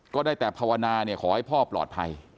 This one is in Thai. ก็ได้แต่ภาวนาขอให้พ่อปลอดภัย